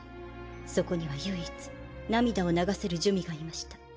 そこには唯一涙を流せる珠魅がいました。